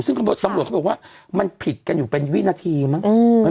ซึ่งตำรวจเขาบอกว่ามันผิดกันอยู่เป็นวินาทีมั้ง